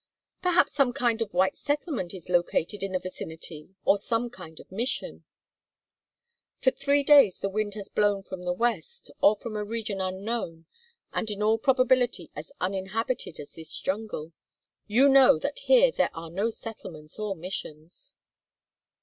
"Perhaps some kind of white settlement is located in the vicinity or some kind of mission." "For three days the wind has blown from the west, or from a region unknown and in all probability as uninhabited as this jungle. You know that here there are no settlements or missions."